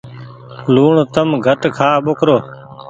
لوڻ تم گھٽ کآ ٻوکرو ۔